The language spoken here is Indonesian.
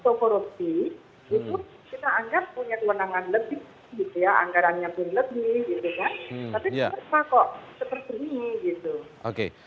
kita seperti ini